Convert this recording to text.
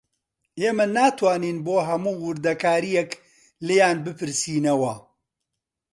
ئێمە ناتوانین بۆ هەموو وردەکارییەک لێیان بپرسینەوە